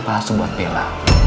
paham sebuah bella